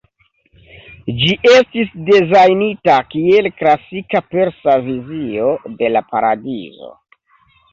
Ĝi estis dezajnita kiel klasika persa vizio de la paradizo.